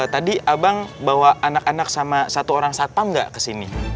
tadi abang bawa anak anak sama satu orang satpam nggak kesini